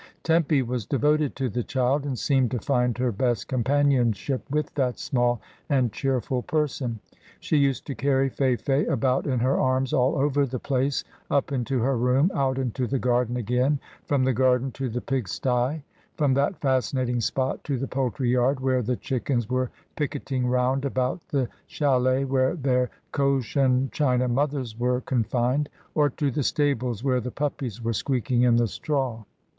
Tempy was devoted to the child, and seemed to find her best companionship with that small and cheerful person. She used to carry Fayfay about in her arms all over the place, up into her rocma, out into the garden again, from the garden to the pig stye, from that fascinating spot to the poultry yard, where the chickens were picketing round about the chilets where their Cochin China mothers were con fined, or to the stables where the puppies were squeaking in the straw.